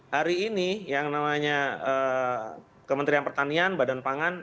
hari ini yang namanya kementerian pertanian badan pangan